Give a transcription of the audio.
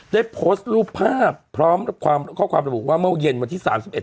ได้โพสต์รูปภาพพร้อมข้อความระบุว่าเมื่อเย็นวันที่สามสิบเอ็